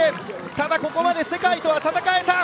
ただ、ここまで世界とは戦えた！